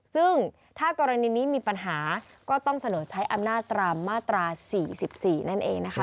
ซึ่งถ้ากรณีนี้มีปัญหาก็ต้องเสนอใช้อำนาจตามมาตรา๔๔นั่นเองนะคะ